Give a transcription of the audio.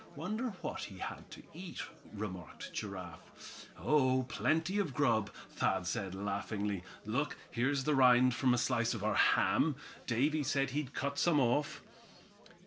"Wonder what he had to eat?" remarked Giraffe. "Oh! plenty of grub," Thad said, laughingly. "Look, here's the rind from a slice of our ham. Davy said he'd cut some off."